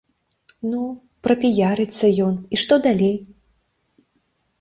Ну, прапіярыцца ён, і што далей?